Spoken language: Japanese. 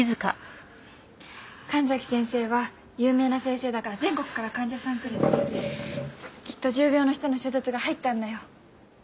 神崎先生は有名な先生だから全国から患者さん来るしきっと重病の人の手術が入ったんだよ。